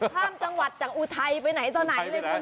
ข้ามจังหวัดจากอุทัยไปไหนต่อไหนเลยคุณ